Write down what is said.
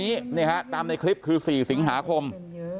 พี่สาวของเธอบอกว่ามันเกิดอะไรขึ้นกับพี่สาวของเธอ